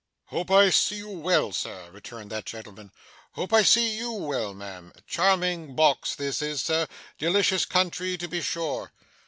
'Hope I see you well sir,' returned that gentleman. 'Hope I see YOU well, ma'am. Charming box this, sir. Delicious country to be sure.